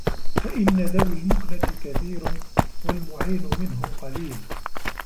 فَإِنَّ ذَوِي الْمُكْنَةِ كَثِيرٌ وَالْمُعِينُ مِنْهُمْ قَلِيلٌ